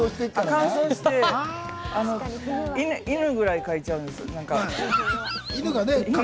乾燥して犬くらいかいちゃうんです。